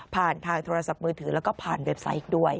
ทางโทรศัพท์มือถือแล้วก็ผ่านเว็บไซต์อีกด้วย